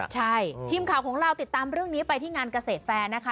ใช่ทีมข่าวของเราติดตามเรื่องนี้ไปที่งานเกษตรแฟนนะคะ